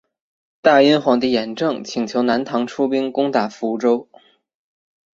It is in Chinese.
大殷皇帝王延政请求南唐出兵攻打福州。